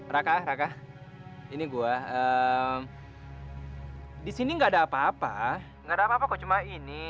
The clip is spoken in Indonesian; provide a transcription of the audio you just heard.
raka raka ini gua di sini nggak ada apa apa nggak ada apa apa kok cuma ini